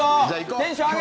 テンション低っ！